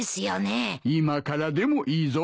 今からでもいいぞ。